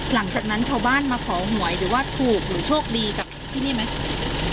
หลังจากนั้นชาวบ้านมาขอหวยหรือว่าถูกหรือโชคดีกับที่นี่ไหม